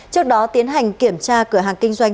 trước đó tiến hành kiểm tra cửa hàng kinh doanh